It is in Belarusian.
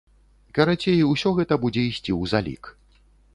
Карацей, усё гэта будзе ісці ў залік.